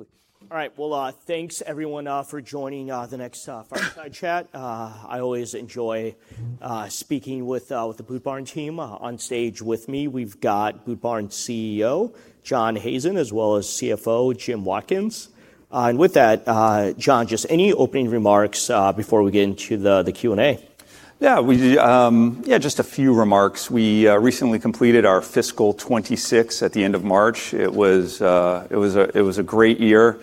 Quickly. All right. Well, thanks everyone for joining the next fireside chat. I always enjoy speaking with the Boot Barn team. On stage with me, we've got Boot Barn CEO, John Hazen, as well as CFO, Jim Watkins. With that, John, just any opening remarks before we get into the Q&A? Yeah, just a few remarks. We recently completed our fiscal 2026 at the end of March. It was a great year.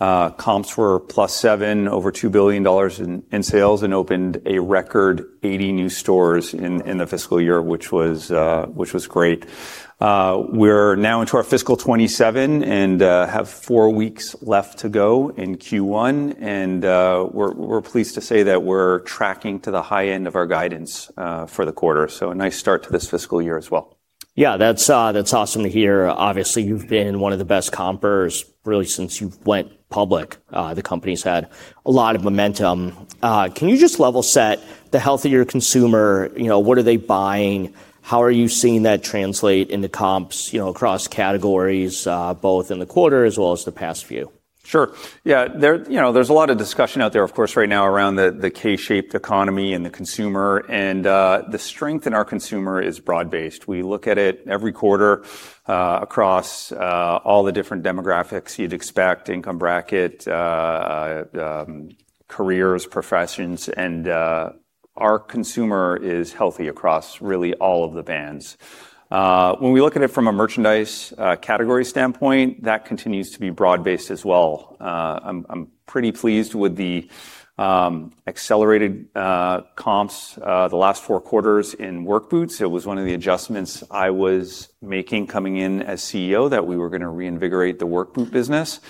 Comps were +7%, over $2 billion in sales, and opened a record 80 new stores in the fiscal year, which was great. We're now into our fiscal 2027, and have four weeks left to go in Q1, and we're pleased to say that we're tracking to the high end of our guidance for the quarter. A nice start to this fiscal year as well. Yeah, that's awesome to hear. Obviously, you've been one of the best compers really since you've went public. The company's had a lot of momentum. Can you just level set the health of your consumer, what are they buying? How are you seeing that translate into comps, across categories, both in the quarter as well as the past few? Sure. There's a lot of discussion out there, of course, right now around the K-shaped economy and the consumer and the strength in our consumer is broad-based. We look at it every quarter, across all the different demographics you'd expect, income bracket, careers, professions, and our consumer is healthy across really all of the bands. When we look at it from a merchandise category standpoint, that continues to be broad-based as well. I'm pretty pleased with the accelerated comps the last four quarters in work boots. It was one of the adjustments I was making coming in as CEO, that we were going to reinvigorate the work boot business,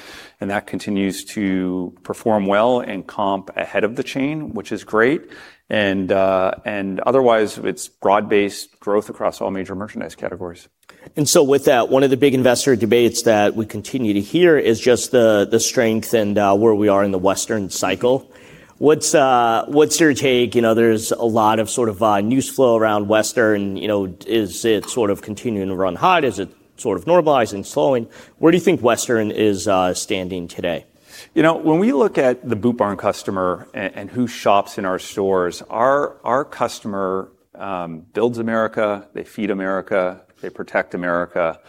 and that continues to perform well and comp ahead of the chain, which is great. Otherwise, it's broad-based growth across all major merchandise categories. With that, one of the big investor debates that we continue to hear is just the strength and where we are in the Western cycle. What's your take? There's a lot of news flow around Western. Is it sort of continuing to run hot? Is it sort of normalizing, slowing? Where do you think Western is standing today? When we look at the Boot Barn customer and who shops in our stores, our customer builds America, they feed America, they protect America,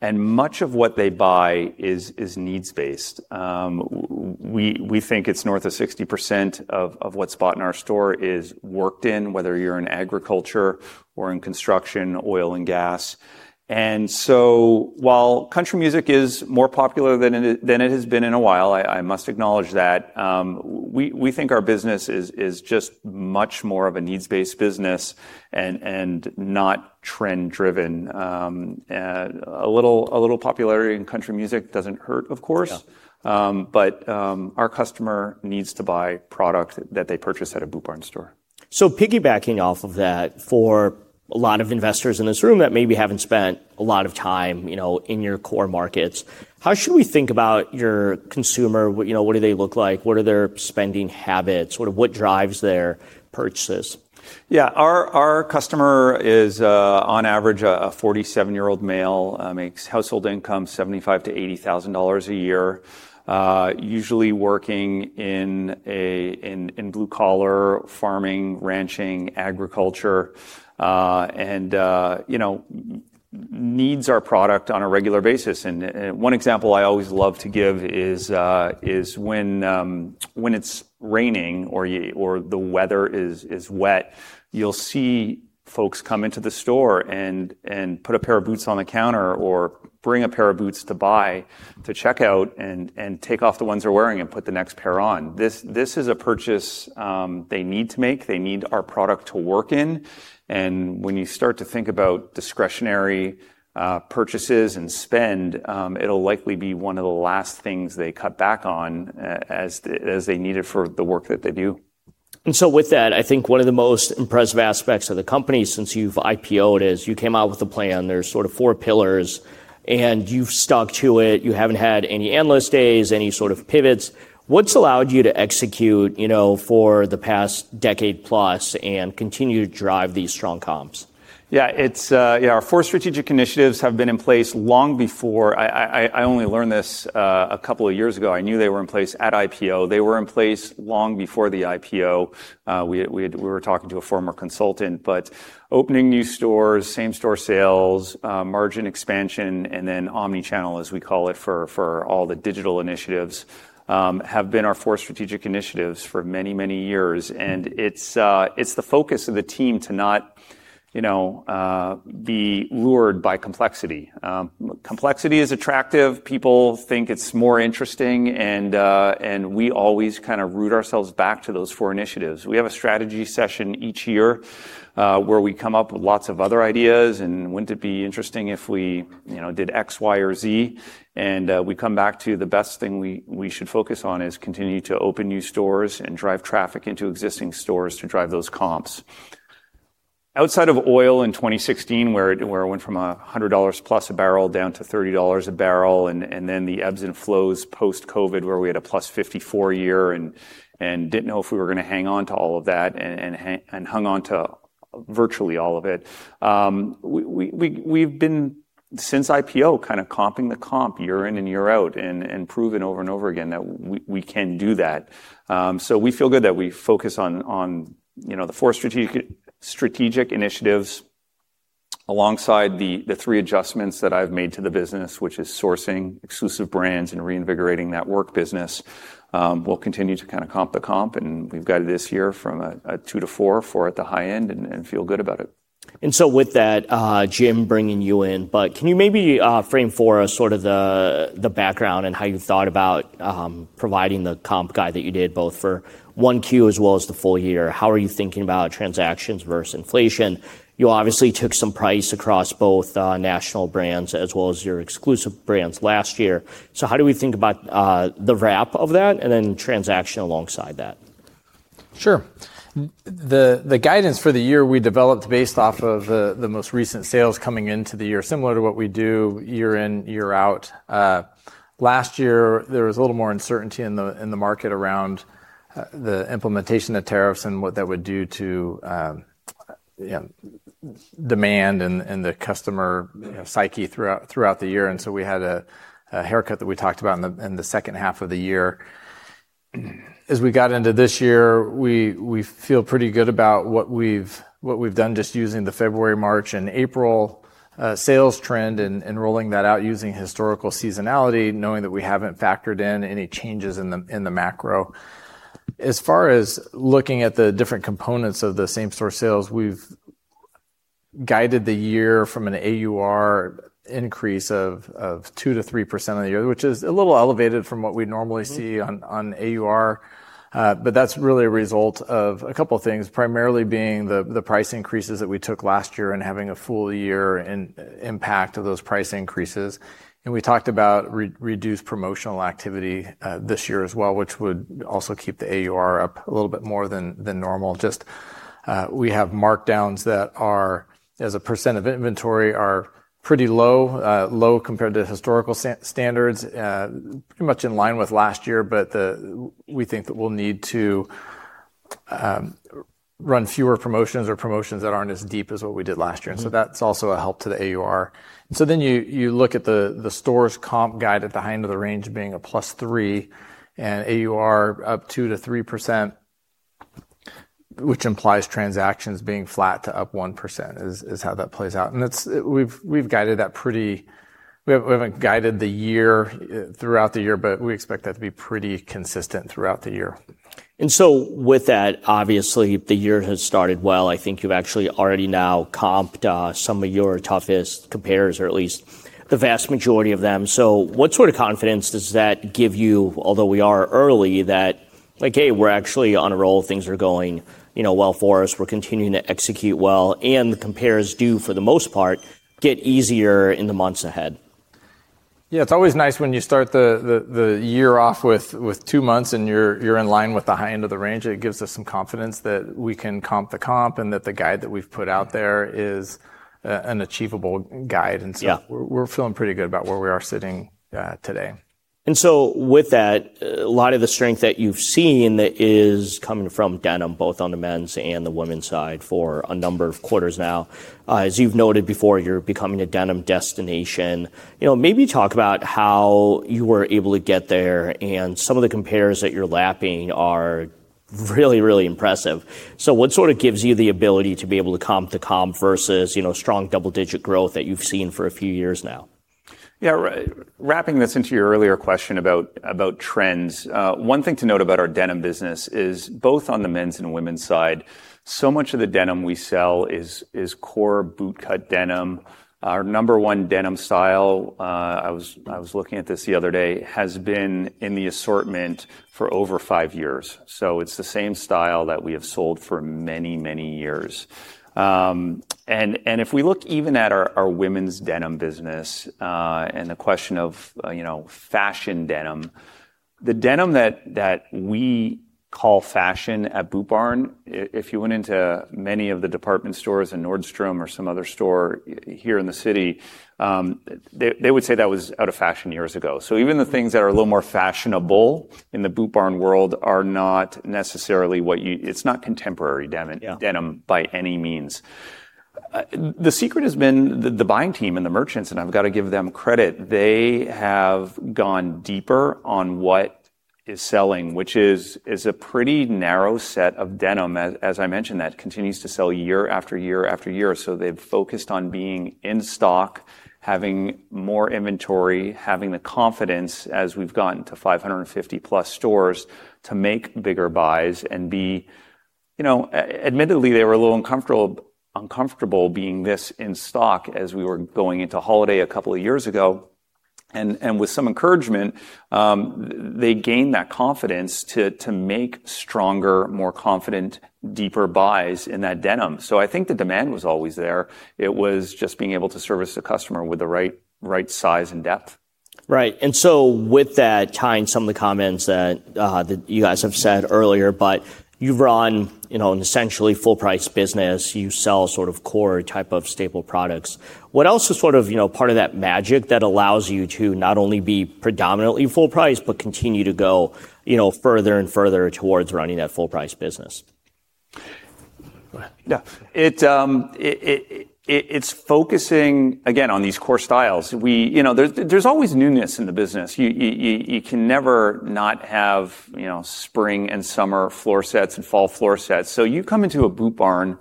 and much of what they buy is needs-based. We think it's north of 60% of what's bought in our store is worked in, whether you're in agriculture or in construction, oil and gas. While country music is more popular than it has been in a while, I must acknowledge that, we think our business is just much more of a needs-based business and not trend-driven. A little popularity in country music doesn't hurt, of course. Yeah. Our customer needs to buy product that they purchase at a Boot Barn store. Piggybacking off of that, for a lot of investors in this room that maybe haven't spent a lot of time in your core markets, how should we think about your consumer? What do they look like? What are their spending habits? What drives their purchases? Yeah. Our customer is, on average, a 47-year-old male, makes household income $75,000-$80,000 a year. Usually working in blue collar, farming, ranching, agriculture, and needs our product on a regular basis. One example I always love to give is, when it's raining or the weather is wet, you'll see folks come into the store and put a pair of boots on the counter or bring a pair of boots to buy, to check out, and take off the ones they're wearing and put the next pair on. This is a purchase they need to make. They need our product to work in. When you start to think about discretionary purchases and spend, it'll likely be one of the last things they cut back on, as they need it for the work that they do. With that, I think one of the most impressive aspects of the company since you've IPO'd is you came out with a plan. There's sort of four pillars, and you've stuck to it. You haven't had any Analyst Days, any sort of pivots. What's allowed you to execute for the past decade plus and continue to drive these strong comps? Yeah. Our four strategic initiatives have been in place long before I only learned this a couple of years ago. I knew they were in place at IPO. They were in place long before the IPO. We were talking to a former consultant, but opening new stores, same-store sales, margin expansion, and then omni-channel, as we call it, for all the digital initiatives, have been our four strategic initiatives for many, many years. It's the focus of the team to not be lured by complexity. Complexity is attractive. People think it's more interesting, and we always kind of root ourselves back to those four initiatives. We have a strategy session each year where we come up with lots of other ideas, and wouldn't it be interesting if we did X, Y, or Z? We come back to the best thing we should focus on is continue to open new stores and drive traffic into existing stores to drive those comps. Outside of oil in 2016, where it went from $100+ a barrel down to $30 a barrel, and then the ebbs and flows post-COVID, where we had a +54 year and didn't know if we were going to hang on to all of that, and hung on to virtually all of it. We've been, since IPO, kind of comping the comp year in and year out and proving over and over again that we can do that. We feel good that we focus on the four strategic initiatives alongside the three adjustments that I've made to the business, which is sourcing exclusive brands and reinvigorating that work business. We'll continue to kind of comp the comp, and we've guided this year from a 2%-4% at the high end, and feel good about it. With that, Jim, bringing you in, but can you maybe frame for us sort of the background and how you thought about providing the comp guide that you did, both for 1Q as well as the full year? How are you thinking about transactions versus inflation? You obviously took some price across both national brands as well as your exclusive brands last year. How do we think about the wrap of that and then transaction alongside that? Sure. The guidance for the year we developed based off of the most recent sales coming into the year, similar to what we do year in, year out. Last year, there was a little more uncertainty in the market around the implementation of tariffs and what that would do to demand and the customer psyche throughout the year, and so we had a haircut that we talked about in the second half of the year. As we got into this year, we feel pretty good about what we've done just using the February, March, and April sales trend and rolling that out using historical seasonality, knowing that we haven't factored in any changes in the macro. As far as looking at the different components of the same-store sales, we've guided the year from an AUR increase of 2%-3% on the year, which is a little elevated from what we'd normally see. On AUR, that's really a result of a couple of things, primarily being the price increases that we took last year and having a full-year impact of those price increases. We talked about reduced promotional activity this year as well, which would also keep the AUR up a little bit more than normal. We have markdowns that are, as a percent of inventory, are pretty low compared to historical standards, pretty much in line with last year. We think that we'll need to run fewer promotions or promotions that aren't as deep as what we did last year. That's also a help to the AUR. Then you look at the store's comp guide at the high end of the range being a +3% and AUR up 2%-3%, which implies transactions being flat to up 1%, is how that plays out. We haven't guided the year throughout the year, but we expect that to be pretty consistent throughout the year. With that, obviously, the year has started well. I think you've actually already now comped some of your toughest compares, or at least the vast majority of them. What sort of confidence does that give you, although we are early, that like, "Hey, we're actually on a roll. Things are going well for us. We're continuing to execute well," and the compares do, for the most part, get easier in the months ahead? Yeah. It is always nice when you start the year off with two months and you are in line with the high end of the range. It gives us some confidence that we can comp the comp and that the guide that we have put out there is an achievable guide. Yeah. We're feeling pretty good about where we are sitting today. With that, a lot of the strength that you've seen is coming from denim, both on the men's and the women's side, for a number of quarters now. As you've noted before, you're becoming a denim destination. Maybe talk about how you were able to get there, and some of the compares that you're lapping are really impressive. What sort of gives you the ability to be able to comp the comp versus strong double-digit growth that you've seen for a few years now? Yeah. Wrapping this into your earlier question about trends, one thing to note about our denim business is both on the men's and women's side, so much of the denim we sell is core bootcut denim. Our number one denim style, I was looking at this the other day, has been in the assortment for over five years. It's the same style that we have sold for many, many years. If we look even at our women's denim business, and the question of fashion denim, the denim that we call fashion at Boot Barn, if you went into many of the department stores in Nordstrom or some other store here in the city, they would say that was out of fashion years ago. Even the things that are a little more fashionable in the Boot Barn world are not necessarily. It's not contemporary denim— Yeah. By any means. The secret has been the buying team and the merchants, and I've got to give them credit. They have gone deeper on what is selling, which is a pretty narrow set of denim, as I mentioned, that continues to sell year after year after year. They've focused on being in stock, having more inventory, having the confidence, as we've gotten to 550+ stores, to make bigger buys. Admittedly, they were a little uncomfortable being this in stock as we were going into holiday a couple of years ago. With some encouragement, they gained that confidence to make stronger, more confident, deeper buys in that denim. I think the demand was always there. It was just being able to service the customer with the right size and depth. Right. With that, tying some of the comments that you guys have said earlier, but you've run an essentially full-price business. You sell sort of core type of staple products. What else is sort of part of that magic that allows you to not only be predominantly full price but continue to go further and further towards running that full-price business? Yeah. It's focusing, again, on these core styles. There's always newness in the business. You can never not have spring and summer floor sets and fall floor sets. You come into a Boot Barn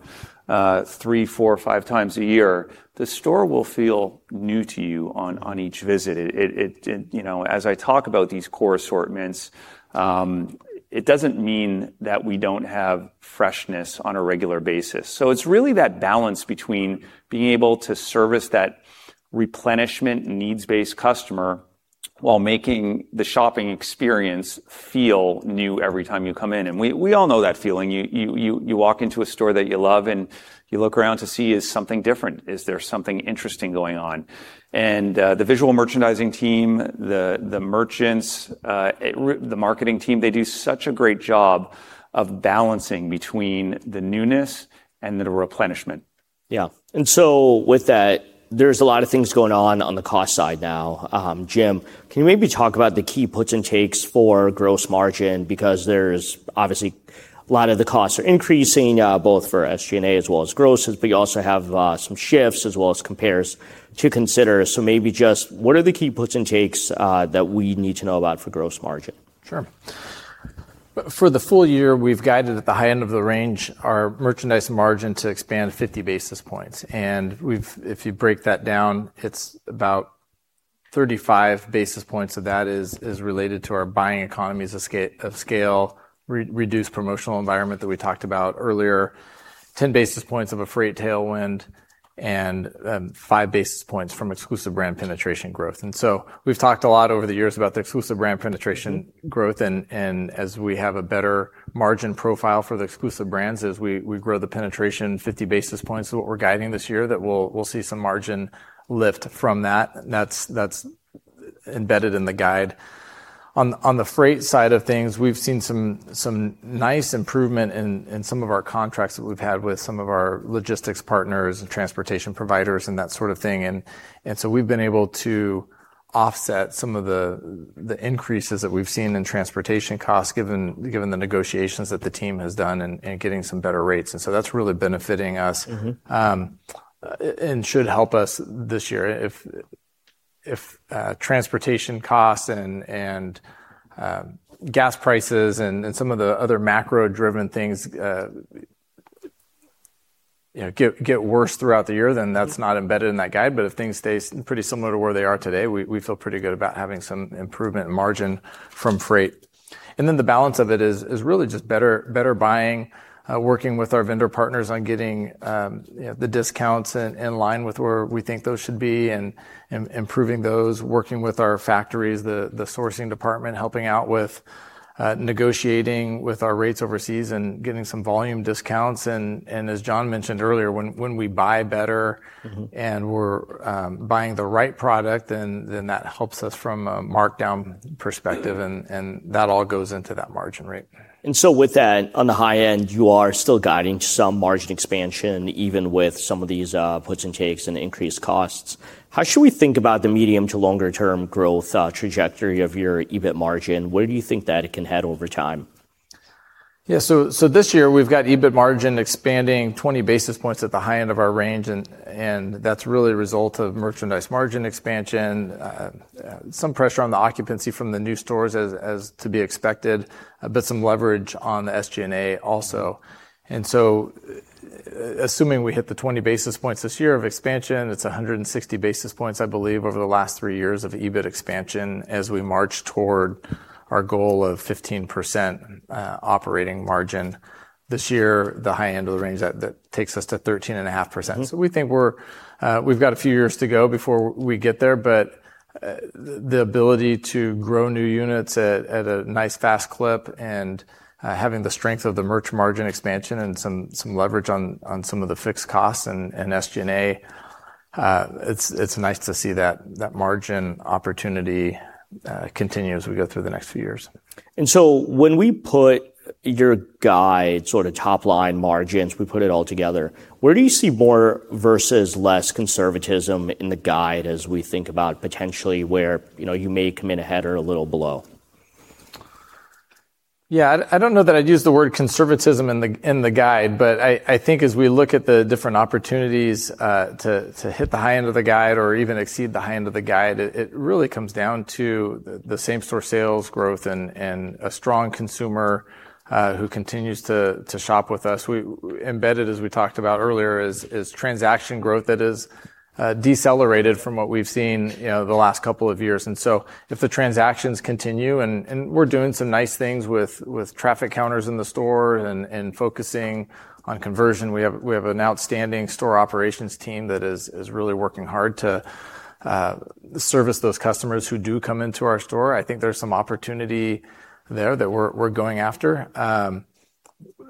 three, four, five times a year, the store will feel new to you on each visit. As I talk about these core assortments, it doesn't mean that we don't have freshness on a regular basis. It's really that balance between being able to service that replenishment needs-based customer, while making the shopping experience feel new every time you come in. We all know that feeling. You walk into a store that you love, and you look around to see, is something different? Is there something interesting going on? The visual merchandising team, the merchants, the marketing team, they do such a great job of balancing between the newness and the replenishment. Yeah. With that, there's a lot of things going on on the cost side now. Jim, can you maybe talk about the key puts and takes for gross margin? Because obviously, a lot of the costs are increasing, both for SG&A as well as grosses, but you also have some shifts as well as compares to consider. Maybe just what are the key puts and takes that we need to know about for gross margin? Sure. For the full year, we've guided at the high end of the range, our merchandise margin to expand 50 basis points. If you break that down, it's about 35 basis points of that is related to our buying economies of scale, reduced promotional environment that we talked about earlier, 10 basis points of a freight tailwind, and five basis points from exclusive brand penetration growth. We've talked a lot over the years about the exclusive brand penetration growth, and as we have a better margin profile for the exclusive brands, as we grow the penetration, 50 basis points is what we're guiding this year, that we'll see some margin lift from that. That's embedded in the guide. On the freight side of things, we've seen some nice improvement in some of our contracts that we've had with some of our logistics partners and transportation providers and that sort of thing. So we've been able to offset some of the increases that we've seen in transportation costs, given the negotiations that the team has done and getting some better rates. So that's really benefiting us and should help us this year. If transportation costs and gas prices and some of the other macro-driven things get worse throughout the year, then that's not embedded in that guide. If things stay pretty similar to where they are today, we feel pretty good about having some improvement in margin from freight. The balance of it is really just better buying, working with our vendor partners on getting the discounts in line with where we think those should be, and improving those, working with our factories, the sourcing department, helping out with negotiating with our rates overseas and getting some volume discounts. As John mentioned earlier, when we buy better. We're buying the right product, then that helps us from a markdown perspective, and that all goes into that margin rate. With that, on the high end, you are still guiding some margin expansion, even with some of these puts and takes and increased costs. How should we think about the medium to longer-term growth trajectory of your EBIT margin? Where do you think that it can head over time? This year we've got EBIT margin expanding 20 basis points at the high end of our range, and that's really a result of merchandise margin expansion. Some pressure on the occupancy from the new stores as to be expected, but some leverage on the SG&A also. Assuming we hit the 20 basis points this year of expansion, it's 160 basis points, I believe, over the last three years of EBIT expansion, as we march toward our goal of 15% operating margin. This year, the high end of the range, that takes us to 13.5%. We think we've got a few years to go before we get there, but the ability to grow new units at a nice fast clip and having the strength of the merch margin expansion and some leverage on some of the fixed costs and SG&A, it's nice to see that that margin opportunity continue as we go through the next few years. When we put your guide, sort of top-line margins, we put it all together, where do you see more versus less conservatism in the guide as we think about potentially where you may come in ahead or a little below? Yeah. I don't know that I'd use the word conservatism in the guide. I think as we look at the different opportunities to hit the high end of the guide or even exceed the high end of the guide, it really comes down to the same-store sales growth and a strong consumer who continues to shop with us. Embedded, as we talked about earlier, is transaction growth that has decelerated from what we've seen the last couple of years. If the transactions continue, and we're doing some nice things with traffic counters in the store and focusing on conversion. We have an outstanding store operations team that is really working hard to service those customers who do come into our store. I think there's some opportunity there that we're going after.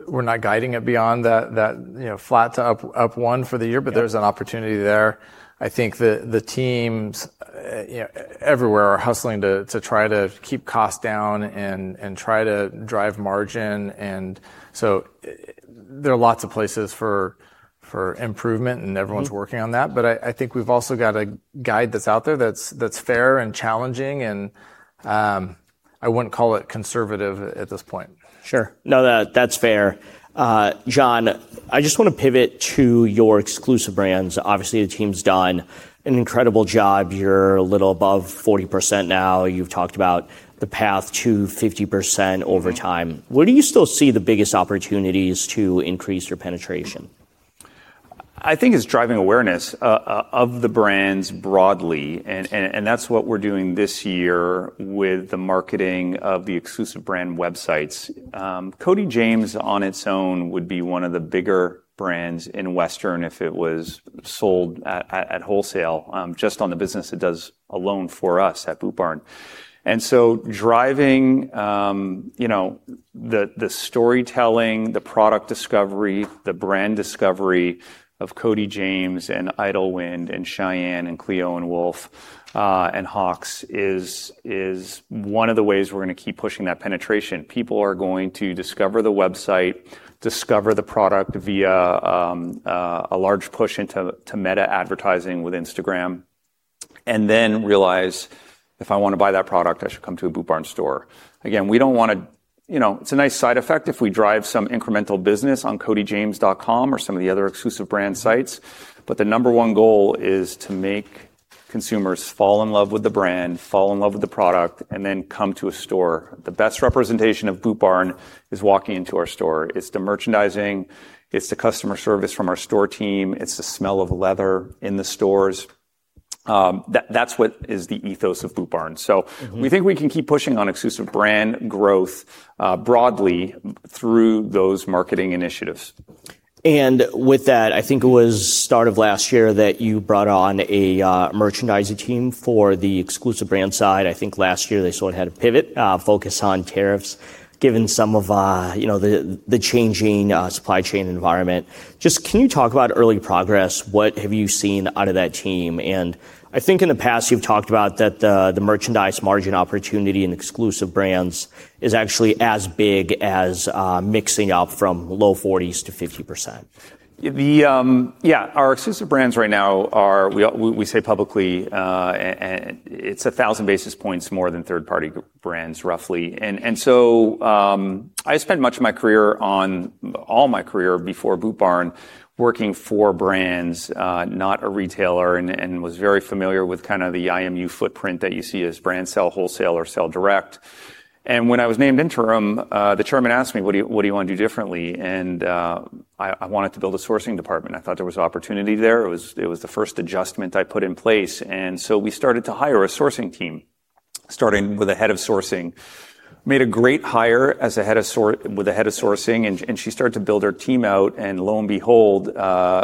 We're not guiding it beyond that flat to up one for the year. Yeah. There's an opportunity there. I think the teams everywhere are hustling to try to keep costs down and try to drive margin. There are lots of places for improvement, and everyone's working on that. I think we've also got a guide that's out there that's fair and challenging and I wouldn't call it conservative at this point. Sure. No, that's fair. John, I just want to pivot to your exclusive brands. Obviously, the team's done an incredible job. You're a little above 40% now. You've talked about the path to 50% over time. Where do you still see the biggest opportunities to increase your penetration? I think it's driving awareness of the brands broadly, and that's what we're doing this year with the marketing of the exclusive brand websites. Cody James on its own would be one of the bigger brands in Western if it was sold at wholesale, just on the business it does alone for us at Boot Barn. Driving the storytelling, the product discovery, the brand discovery of Cody James and Idyllwind and Shyanne and Cleo + Wolf and Hawx is one of the ways we're going to keep pushing that penetration. People are going to discover the website, discover the product via a large push into Meta advertising with Instagram, and then realize, "If I want to buy that product, I should come to a Boot Barn store." Again, it's a nice side effect if we drive some incremental business on codyjames.com or some of the other exclusive brand sites, but the number one goal is to make consumers fall in love with the brand, fall in love with the product, and then come to a store. The best representation of Boot Barn is walking into our store. It's the merchandising, it's the customer service from our store team, it's the smell of leather in the stores. That's what is the ethos of Boot Barn. We think we can keep pushing on exclusive brand growth broadly through those marketing initiatives. With that, I think it was start of last year that you brought on a merchandising team for the exclusive brand side. I think last year they sort of had to pivot, focus on tariffs, given some of the changing supply chain environment. Just can you talk about early progress? What have you seen out of that team? I think in the past you've talked about that the merchandise margin opportunity and exclusive brands is actually as big as mixing up from low 40s to 50%. Yeah. Our exclusive brands right now are, we say publicly, it's 1,000 basis points more than third-party brands, roughly. I spent much of my career, all my career before Boot Barn, working for brands, not a retailer, and was very familiar with kind of the IMU footprint that you see as brands sell wholesale or sell direct. When I was named interim, the chairman asked me, "What do you want to do differently?" I wanted to build a sourcing department. I thought there was opportunity there. It was the first adjustment I put in place, and so we started to hire a sourcing team, starting with a head of sourcing. Made a great hire with a head of sourcing, and she started to build her team out, and lo and behold,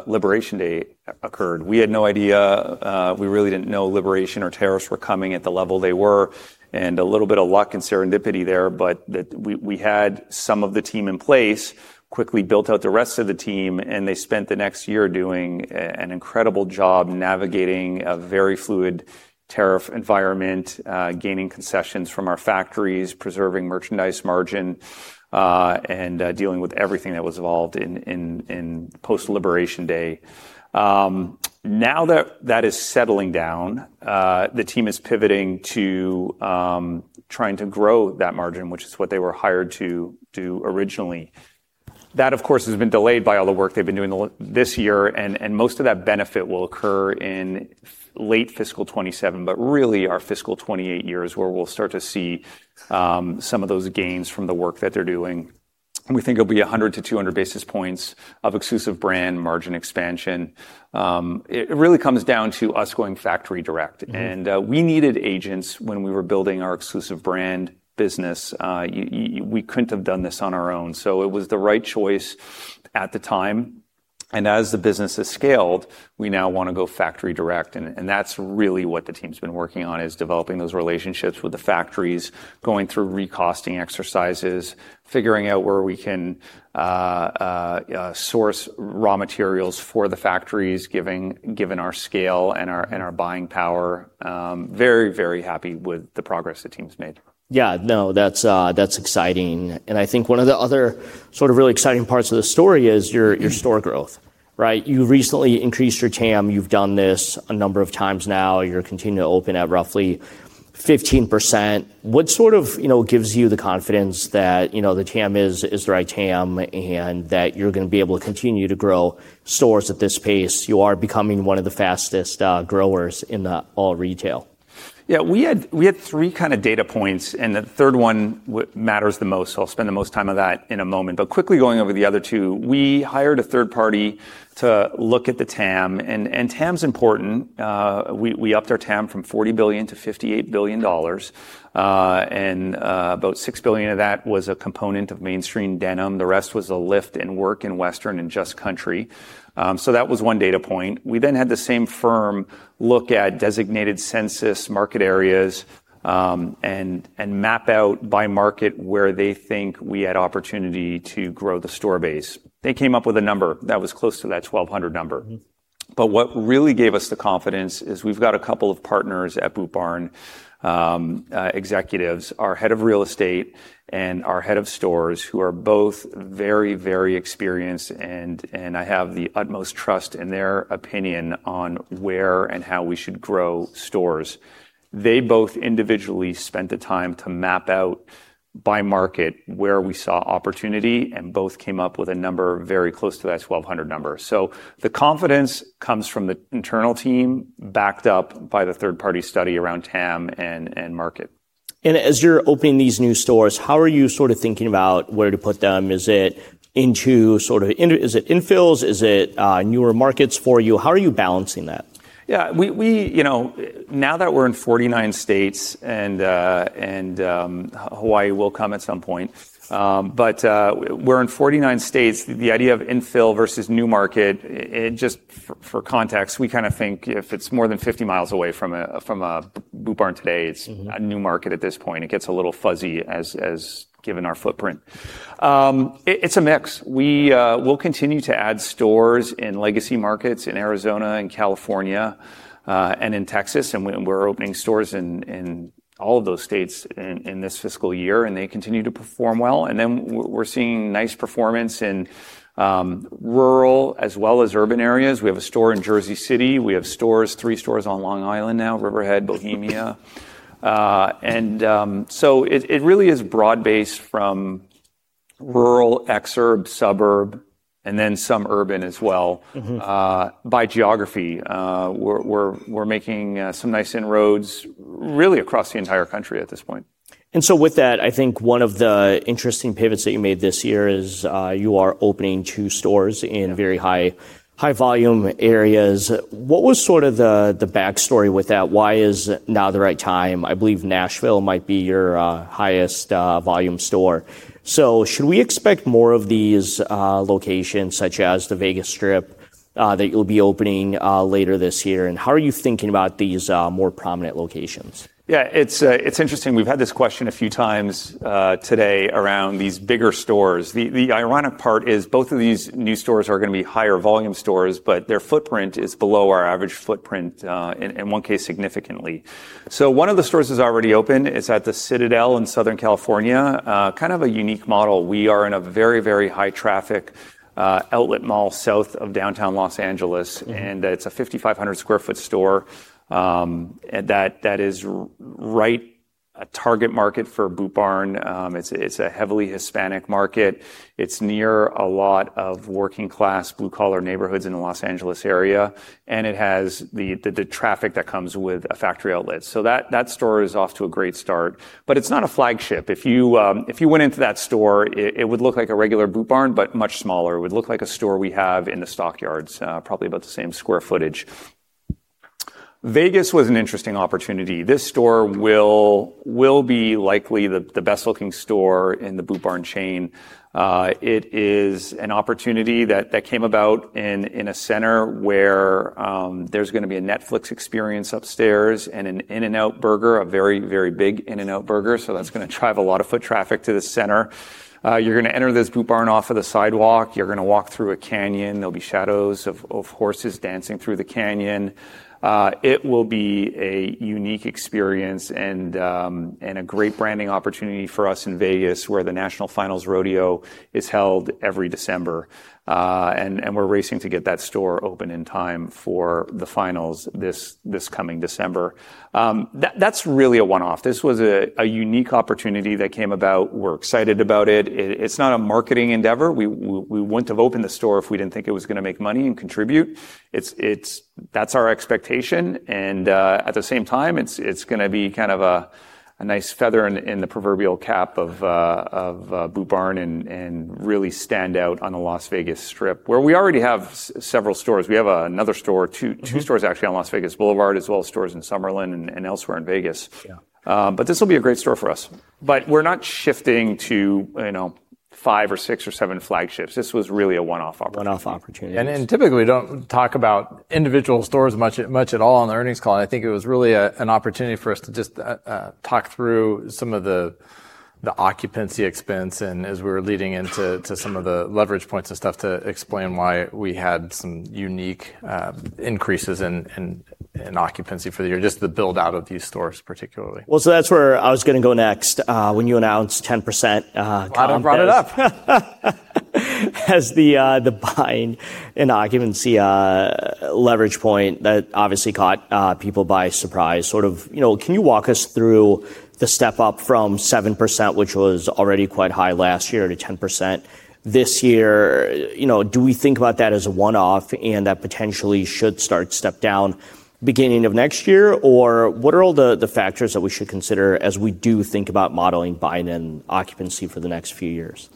Liberation Day occurred. We had no idea. We really didn't know Liberation or tariffs were coming at the level they were, and a little bit of luck and serendipity there, but we had some of the team in place, quickly built out the rest of the team, and they spent the next year doing an incredible job navigating a very fluid tariff environment, gaining concessions from our factories, preserving merchandise margin, and dealing with everything that was involved in post-Liberation Day. Now that that is settling down, the team is pivoting to trying to grow that margin, which is what they were hired to do originally. That, of course, has been delayed by all the work they've been doing this year, and most of that benefit will occur in late fiscal 2027, but really our fiscal 2028 year is where we'll start to see some of those gains from the work that they're doing. We think it'll be 100-200 basis points of exclusive brand margin expansion. It really comes down to us going factory direct. We needed agents when we were building our exclusive brand business. We couldn't have done this on our own. It was the right choice at the time, and as the business has scaled, we now want to go factory direct, and that's really what the team's been working on, is developing those relationships with the factories, going through re-costing exercises, figuring out where we can source raw materials for the factories, given our scale and our buying power. Very happy with the progress the team's made. Yeah. No, that's exciting. I think one of the other sort of really exciting parts of the story is your store growth, right? You recently increased your TAM. You've done this a number of times now. You're continuing to open at roughly 15%. What sort of gives you the confidence that the TAM is the right TAM, and that you're going to be able to continue to grow stores at this pace? You are becoming one of the fastest growers in all retail. Yeah. We had three kind of data points, and the third one matters the most, so I'll spend the most time on that in a moment. Quickly going over the other two, we hired a third party to look at the TAM, and TAM's important. We upped our TAM from $40 billion to $58 billion, and about $6 billion of that was a component of mainstream denim. The rest was a lift in work in Western and Just Country. That was one data point. We then had the same firm look at designated census market areas, and map out by market where they think we had opportunity to grow the store base. They came up with a number that was close to that 1,200 number. What really gave us the confidence is we've got a couple of partners at Boot Barn, executives, our head of real estate and our head of stores, who are both very experienced, and I have the utmost trust in their opinion on where and how we should grow stores. They both individually spent the time to map out by market where we saw opportunity, both came up with a number very close to that 1,200 number. The confidence comes from the internal team backed up by the third-party study around TAM and market. As you're opening these new stores, how are you sort of thinking about where to put them? Is it infills? Is it newer markets for you? How are you balancing that? Yeah. Now that we're in 49 states and, Hawaii will come at some point. We're in 49 states. The idea of infill versus new market, just for context, we kind of think if it's more than 50 mi away from a Boot Barn today, it's a new market at this point. It gets a little fuzzy given our footprint. It's a mix. We'll continue to add stores in legacy markets in Arizona and California, and in Texas, and we're opening stores in all of those states in this fiscal year, and they continue to perform well. We're seeing nice performance in rural as well as urban areas. We have a store in Jersey City. We have three stores on Long Island now, Riverhead, Bohemia. It really is broad-based from rural, exurb, suburb, and then some urban as well by geography. We're making some nice inroads really across the entire country at this point. With that, I think one of the interesting pivots that you made this year is. You are opening two stores in very high-volume areas. What was sort of the backstory with that? Why is now the right time? I believe Nashville might be your highest volume store. Should we expect more of these locations, such as the Vegas Strip, that you'll be opening later this year, and how are you thinking about these more prominent locations? Yeah, it's interesting. We've had this question a few times today around these bigger stores. The ironic part is both of these new stores are going to be higher volume stores, but their footprint is below our average footprint, in one case, significantly. One of the stores is already open. It's at the Citadel in Southern California, kind of a unique model. We are in a very high-traffic outlet mall south of downtown Los Angeles, and it's a 5,500 sq ft store, that is right a target market for Boot Barn. It's a heavily Hispanic market. It's near a lot of working-class, blue-collar neighborhoods in the Los Angeles area, and it has the traffic that comes with a factory outlet. That store is off to a great start. It's not a flagship. If you went into that store, it would look like a regular Boot Barn, but much smaller. It would look like a store we have in the Stockyards, probably about the same square footage. Vegas was an interesting opportunity. This store will be likely the best-looking store in the Boot Barn chain. It is an opportunity that came about in a center where there's going to be a Netflix experience upstairs and an In-N-Out Burger, a very big In-N-Out Burger, so that's going to drive a lot of foot traffic to the center. You're going to enter this Boot Barn off of the sidewalk. You're going to walk through a canyon. There'll be shadows of horses dancing through the canyon. It will be a unique experience and a great branding opportunity for us in Vegas, where the National Finals Rodeo is held every December. We're racing to get that store open in time for the finals this coming December. That's really a one-off. This was a unique opportunity that came about. We're excited about it. It's not a marketing endeavor. We wouldn't have opened the store if we didn't think it was going to make money and contribute. That's our expectation, and at the same time, it's going to be kind of a nice feather in the proverbial cap of Boot Barn and really stand out on the Las Vegas Strip, where we already have several stores. We have another store, two stores actually on Las Vegas Boulevard, as well as stores in Summerlin and elsewhere in Vegas. Yeah. This will be a great store for us. We're not shifting to five or six or seven flagships. This was really a one-off opportunity. One-off opportunity. Typically, we don't talk about individual stores much at all on the earnings call, and I think it was really an opportunity for us to just talk through some of the occupancy expense and as we were leading into to some of the leverage points and stuff to explain why we had some unique increases in occupancy for the year, just the build-out of these stores particularly. Well, that's where I was going to go next. When you announced 10% comp— Glad you brought it up. As the buying and occupancy leverage point that obviously caught people by surprise. Can you walk us through the step-up from 7%, which was already quite high last year, to 10% this year? Do we think about that as a one-off and that potentially should start step down beginning of next year, or what are all the factors that we should consider as we do think about modeling buying and occupancy for the next few years?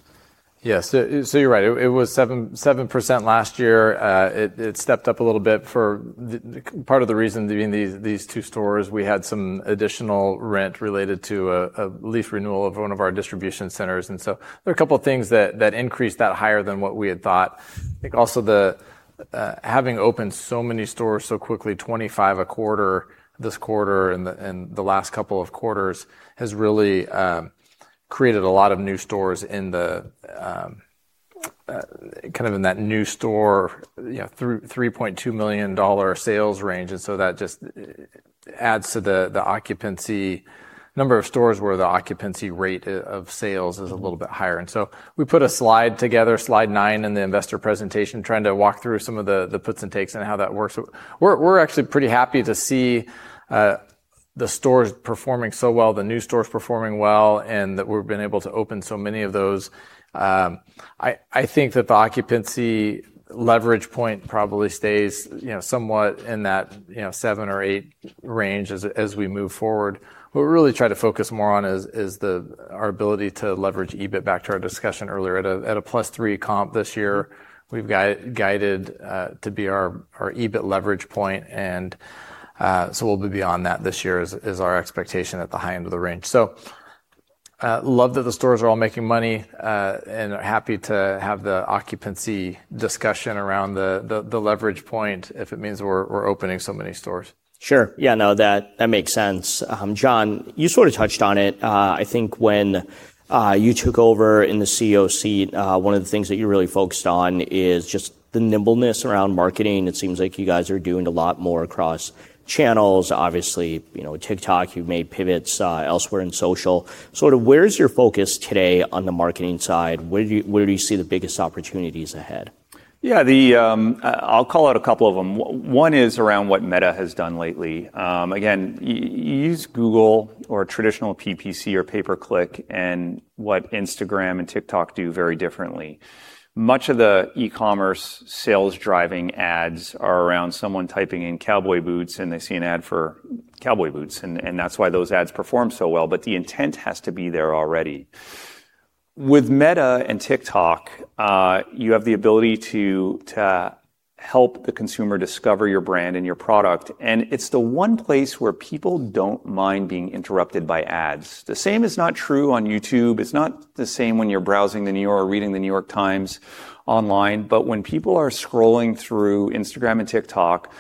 Yeah, you're right. It was 7% last year. It stepped up a little bit for part of the reason being these two stores, we had some additional rent related to a lease renewal of one of our distribution centers. There are a couple of things that increased that higher than what we had thought. I think also, having opened so many stores so quickly, 25 a quarter this quarter and the last couple of quarters. Created a lot of new stores in that new store, $3.2 million sales range, and so that just adds to the number of stores where the occupancy rate of sales is a little bit higher. We put a slide together, slide nine in the investor presentation, trying to walk through some of the puts and takes on how that works. We're actually pretty happy to see the stores performing so well, the new stores performing well, and that we've been able to open so many of those. I think that the occupancy leverage point probably stays somewhat in that 7% or 8% range as we move forward. What we really try to focus more on is our ability to leverage EBIT, back to our discussion earlier, at a +3% comp this year, we've guided to be our EBIT leverage point. We'll be beyond that this year is our expectation at the high end of the range. Love that the stores are all making money, and happy to have the occupancy discussion around the leverage point if it means we're opening so many stores. Sure. Yeah, no, that makes sense. John, you sort of touched on it. I think when you took over in the CEO seat, one of the things that you really focused on is just the nimbleness around marketing. It seems like you guys are doing a lot more across channels. Obviously, TikTok, you've made pivots elsewhere in social. Where's your focus today on the marketing side? Where do you see the biggest opportunities ahead? Yeah. I'll call out a couple of them. One is around what Meta has done lately. Again, you use Google or traditional PPC or pay per click and what Instagram and TikTok do very differently. Much of the e-commerce sales-driving ads are around someone typing in cowboy boots, and they see an ad for cowboy boots, and that's why those ads perform so well. The intent has to be there already. With Meta and TikTok, you have the ability to help the consumer discover your brand and your product, and it's the one place where people don't mind being interrupted by ads. The same is not true on YouTube. It's not the same when you're browsing or reading "The New York Times" online. When people are scrolling through Instagram and TikTok,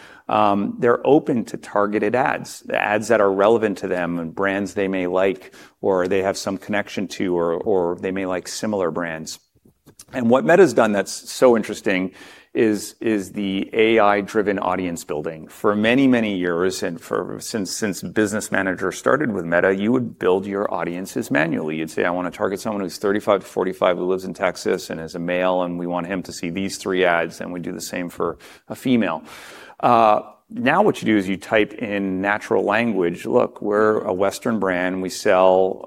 they're open to targeted ads that are relevant to them and brands they may like or they have some connection to, or they may like similar brands. What Meta's done that's so interesting is the AI-driven audience building. For many, many years, since Business Manager started with Meta, you would build your audiences manually. You'd say, "I want to target someone who's 35-45, who lives in Texas, and is a male, and we want him to see these three ads," and we do the same for a female. What you do is you type in natural language, "Look, we're a Western brand. We sell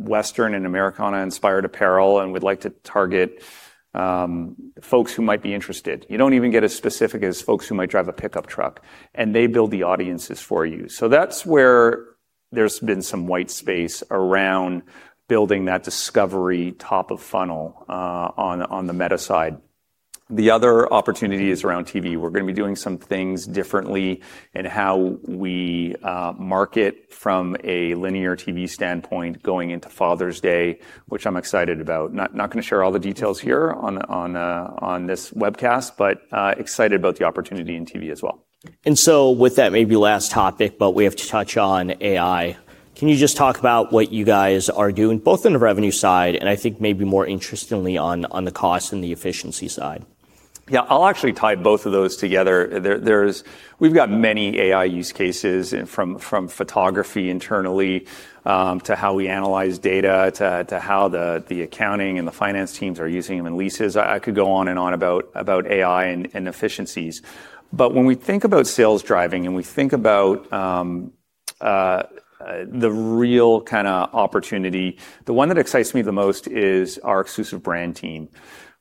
Western and Americana-inspired apparel. We'd like to target folks who might be interested." You don't even get as specific as folks who might drive a pickup truck. They build the audiences for you. That's where there's been some white space around building that discovery top of funnel on the Meta side. The other opportunity is around TV. We're going to be doing some things differently in how we market from a linear TV standpoint going into Father's Day, which I'm excited about. Not going to share all the details here on this webcast, excited about the opportunity in TV as well. With that, maybe last topic, but we have to touch on AI. Can you just talk about what you guys are doing, both on the revenue side and I think maybe more interestingly on the cost and the efficiency side? Yeah, I'll actually tie both of those together. We've got many AI use cases from photography internally, to how we analyze data, to how the accounting and the finance teams are using them in leases. I could go on and on about AI and efficiencies. When we think about sales driving and we think about the real kind of opportunity, the one that excites me the most is our exclusive brand team.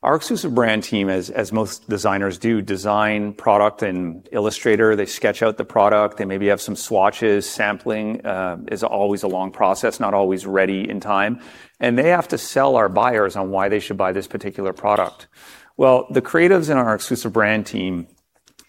Our exclusive brand team, as most designers do, design product in Illustrator. They sketch out the product, they maybe have some swatches. Sampling is always a long process, not always ready in time. They have to sell our buyers on why they should buy this particular product. Well, the creatives in our exclusive brand team,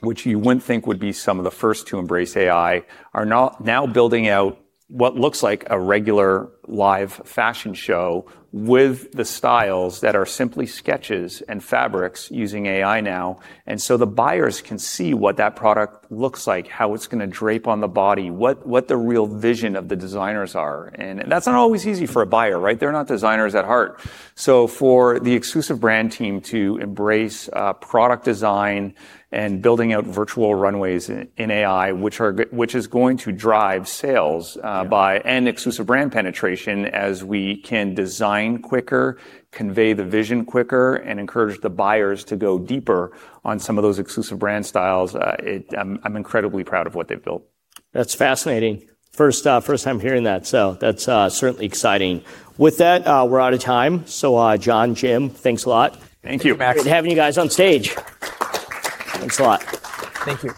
which you wouldn't think would be some of the first to embrace AI, are now building out what looks like a regular live fashion show with the styles that are simply sketches and fabrics using AI now. The buyers can see what that product looks like, how it's going to drape on the body, what the real vision of the designers are. That's not always easy for a buyer, right? They're not designers at heart. For the exclusive brand team to embrace product design and building out virtual runways in AI, which is going to drive sales and exclusive brand penetration as we can design quicker, convey the vision quicker, and encourage the buyers to go deeper on some of those exclusive brand styles. I'm incredibly proud of what they've built. That's fascinating. First time hearing that, so that's certainly exciting. With that, we're out of time. John, Jim, thanks a lot. Thank you. Thank you, Max. Good having you guys on stage. Thanks a lot. Thank you.